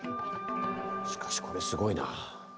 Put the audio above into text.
しかしこれすごいな。